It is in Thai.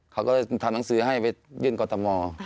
เขาก็เลยทำหนังสือให้ไปยื่นกรตม